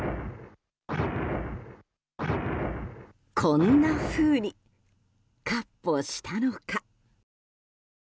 こんなふうに、闊歩したのか？